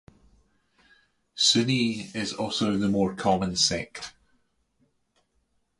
Sunni is also the more common sect.